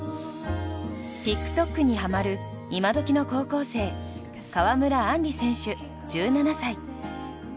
ＴｉｋＴｏｋにはまる今どきの高校生川村あんり選手、１７歳。